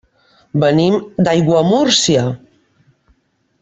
Venim d'Aiguamúrcia.